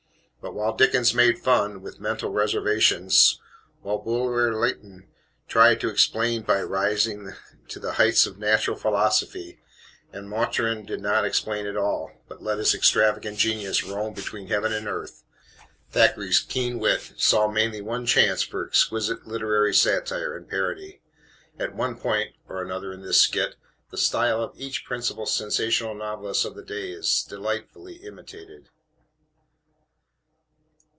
But while Dickens made fun, with mental reservations; while Bulwer Lytton tried to explain by rising to the heights of natural philosophy, and Maturin did not explain at all, but let his extravagant genius roam between heaven and earth Thackeray's keen wit saw mainly one chance for exquisite literary satire and parody. At one point or another in this skit, the style of each principal sensational novelist of the day is delightfully imitated.